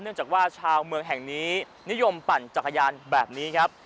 จากว่าชาวเมืองแห่งนี้นิยมปั่นจักรยานแบบนี้ครับ